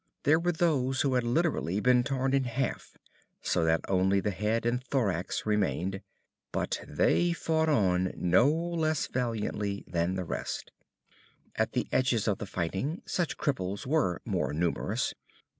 There were those who had literally been torn in half, so that only head and thorax remained, but they fought on no less valiantly than the rest. At the edges of the fighting such cripples were more numerous.